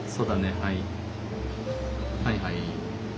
はいはい。